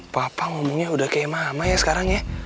papa ngomongnya udah kayak mama ya sekarang ya